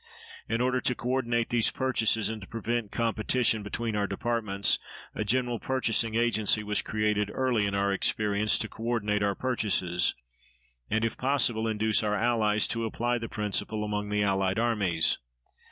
In order to co ordinate these purchases and to prevent competition between our departments, a general purchasing agency was created early in our experience to co ordinate our purchases and, if possible, induce our allies to apply the principle among the allied armies.